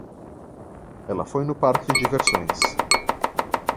Ela foi no parque de diversões.